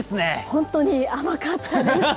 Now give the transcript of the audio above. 本当に甘かったです。